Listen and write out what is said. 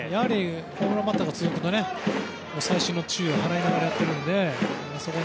ホームランバッターが続くと細心の注意を払いながらやっているので。